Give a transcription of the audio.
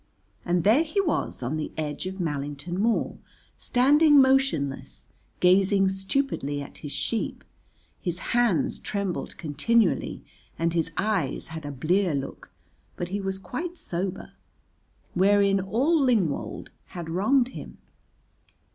And there he was on the edge of Mallington Moor standing motionless, gazing stupidly at his sheep; his hands trembled continually and his eyes had a blear look, but he was quite sober, wherein all Lingwold had wronged him.